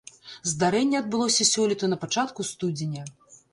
Здарэнне адбылося сёлета на пачатку студзеня.